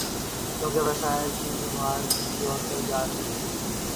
کیونکہ وسائل کی بھرمار ہی کسی اور طرف جا رہی تھی۔